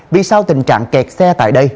vì sao tình trạng kẹt xe tại đây